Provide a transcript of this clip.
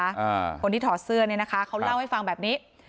อ่าคนที่ถอดเสื้อเนี่ยนะคะเขาเล่าให้ฟังแบบนี้